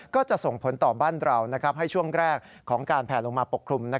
ก็จะส่งผลต่อบ้านเราให้ช่วงแรกของการแผลลงมาปกคลุม